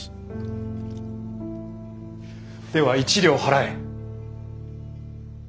では１両払え！